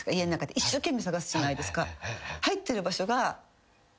一生懸命捜すじゃないですか。